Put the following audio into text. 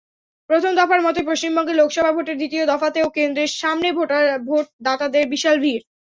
প্রথম দফার মতোই পশ্চিমবঙ্গে লোকসভা ভোটের দ্বিতীয় দফাতেও কেন্দ্রের সামনে ভোটদাতাদের বিশাল ভিড়।